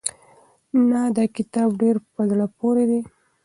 نه دا کتاب ډېر په زړه پورې دی.